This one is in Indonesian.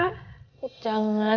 gue mau ketemu sama pangeran